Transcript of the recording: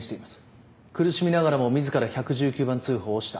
苦しみながらも自ら１１９番通報をした。